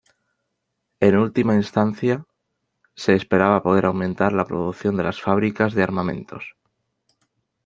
En última instancia se esperaba poder aumentar la producción de las fábricas de armamentos.